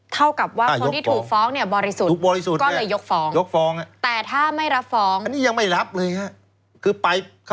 เท่ากับว่าคนที่ถูกฟ้องเนี่ย